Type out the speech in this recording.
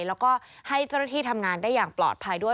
แล้วก็ให้เจ้าหน้าที่ทำงานได้อย่างปลอดภัยด้วย